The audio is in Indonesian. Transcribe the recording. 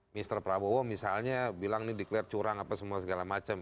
mr prabowo misalnya bilang ini declare curang apa semua segala macam